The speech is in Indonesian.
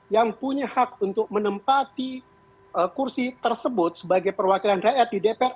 yang punya hak untuk menempati kursi tersebut sebagai perwakilan rakyat di dpr